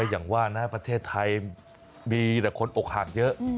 อย่างว่านะประเทศไทยมีแต่คนอกหักเยอะ